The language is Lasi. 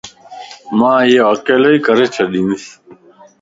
مان ايو اڪيلي ھي ڪري ڇڏين